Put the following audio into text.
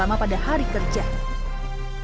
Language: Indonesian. terutama pada hari kerja